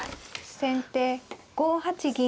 先手５八銀。